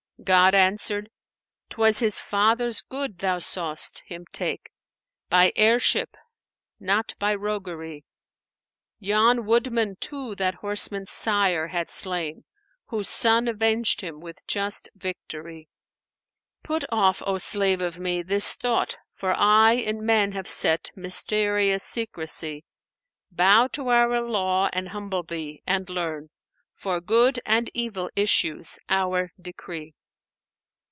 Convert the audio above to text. God answered ''Twas his father's good thou saw'st * Him take; by heirship not by roguery; Yon woodman too that horseman's sire had slain; * Whose son avenged him with just victory: Put off, O slave of Me, this thought for I * In men have set mysterious secrecy! Bow to Our Law and humble thee, and learn * For good and evil issues Our decree.'"